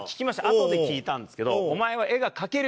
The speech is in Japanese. あとで聞いたんですけど。